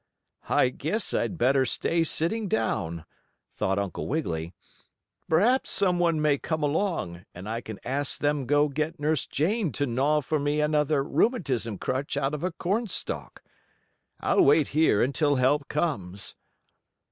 "I guess I'd better stay sitting down," thought Uncle Wiggily. "Perhaps some one may come along, and I can ask them go get Nurse Jane to gnaw for me another rheumatism crutch out of a corn stalk. I'll wait here until help comes."